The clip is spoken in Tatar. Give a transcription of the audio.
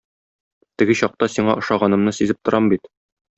Теге чакта сиңа ошаганымны сизеп торам бит.